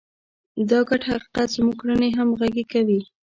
دا ګډ حقیقت زموږ کړنې همغږې کوي.